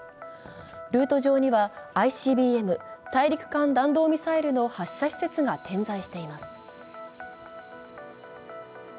ルート上にはＩＣＢＭ＝大陸間弾道ミサイルの発射施設が点在しています。